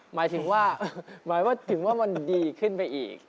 หมายถึงว่าหมายว่าถึงว่ามันดีขึ้นไปอีก